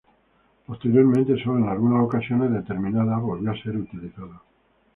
Posteriormente sólo en algunas ocasiones determinadas volvió a ser utilizado.